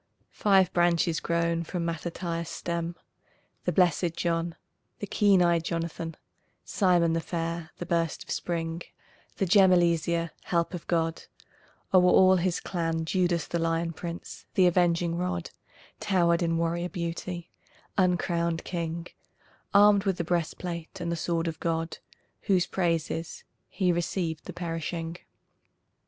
Five branches grown from Mattathias' stem, The Blessed John, the Keen Eyed Jonathan, Simon the fair, the Burst of Spring, the Gem, Eleazar, Help of God; o'er all his clan Judas the Lion Prince, the Avenging Rod, Towered in warrior beauty, uncrowned king, Armed with the breastplate and the sword of God, Whose praise is: "He received the perishing."